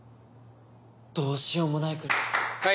どうしようもないくらい。